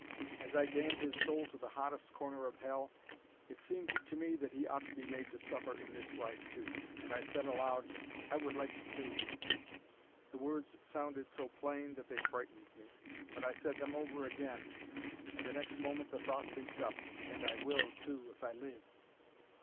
As I damned his soul to the hottest corner of hell it seemed to me that he ought to be made to suffer in this life, too, and I said aloud, 'I would like to kill you!' The words sounded so plain that they frightened me. But I said them over again, and the next moment the thought leaped up, 'And I will, too, if I live!'